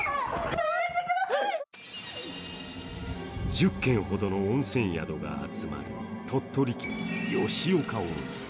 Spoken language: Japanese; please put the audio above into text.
１０軒ほどの温泉宿が集まる鳥取県吉岡温泉。